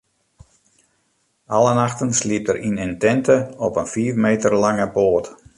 Alle nachten sliept er yn in tinte op in fiif meter lange boat.